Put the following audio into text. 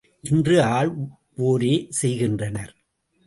இன்று ஆள்வோரே செய்கின்றனர்!